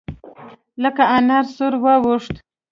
لکه انار سور واوښت.